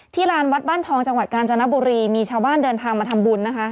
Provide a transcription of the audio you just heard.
ลานวัดบ้านทองจังหวัดกาญจนบุรีมีชาวบ้านเดินทางมาทำบุญนะคะ